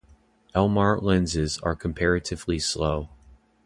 Elmar lenses are comparatively slow.